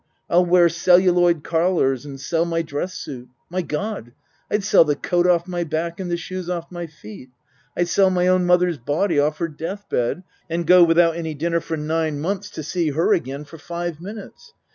I'll wear celluloid collars and sell my dress suit. My God ! I'd sell the coat off my back and the shoes off my feet ; I'd sell my own mother's body off her death bed, and go without my dinner for nine months to see her again for five minutes.